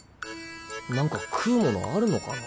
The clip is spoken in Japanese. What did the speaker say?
何か食うモノあるのかな？